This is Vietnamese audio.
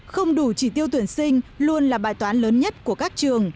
không đủ chỉ tiêu tuyển sinh luôn là bài toán lớn nhất của các trường